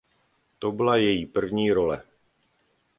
To byla její první role.